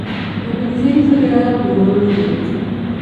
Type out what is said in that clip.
La miniserie fue creada por Robert Jones.